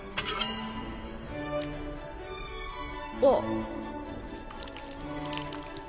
あっ。